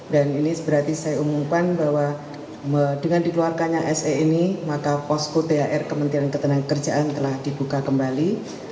dan ini berarti saya umumkan bahwa dengan dikeluarkannya se ini maka posku thr kementerian ketenang kerjaan telah dibuka kembali